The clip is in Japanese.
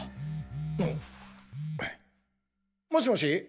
あもしもし。